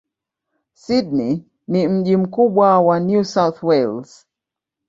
Sydney ni mji mkubwa wa New South Wales.